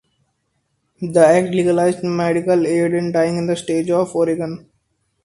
The Act legalized medical aid in dying in the state of Oregon.